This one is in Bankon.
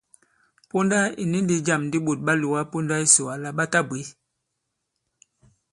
Ponda ì ni ndī jâm di ɓôt ɓa lòga ponda yisò àlà ɓa tabwě.